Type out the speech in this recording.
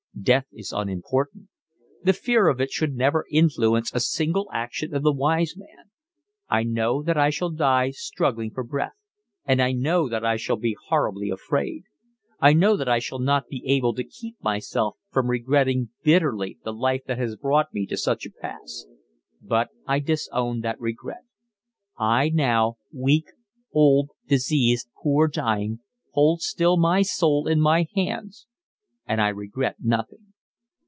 Death is unimportant. The fear of it should never influence a single action of the wise man. I know that I shall die struggling for breath, and I know that I shall be horribly afraid. I know that I shall not be able to keep myself from regretting bitterly the life that has brought me to such a pass; but I disown that regret. I now, weak, old, diseased, poor, dying, hold still my soul in my hands, and I regret nothing."